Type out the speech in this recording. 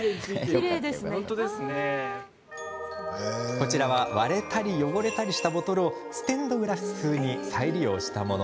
こちらは、割れたり汚れたりしたボトルをステンドグラス風に再利用したもの。